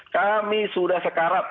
kami sudah sekarat